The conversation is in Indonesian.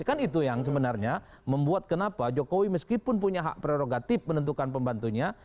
kan itu yang sebenarnya membuat kenapa jokowi meskipun punya hak prerogatif menentukan pembantunya